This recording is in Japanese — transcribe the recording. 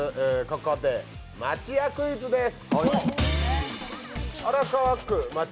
ここで町屋クイズです。